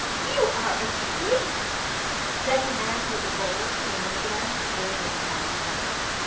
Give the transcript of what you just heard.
" You are a treat !" Then the man with the rolls came in again, swerving past her.